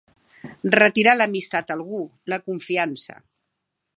Retirar l'amistat a algú, la confiança.